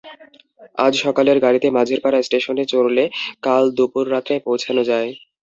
আজ সকালের গাড়িতে মাঝেরপাড়া স্টেশনে চড়লে কাল দুপুর-রাত্রে পৌছানো যায়।